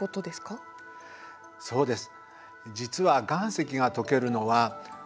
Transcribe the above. そうです。